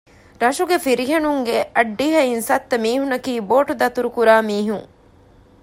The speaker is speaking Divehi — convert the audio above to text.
ރަށުގެ ފިރިހެނުންގެ އައްޑިހަ އިން ސައްތަ މީހުންނަކީ ބޯޓްދަތުރުކުރާ މީހުން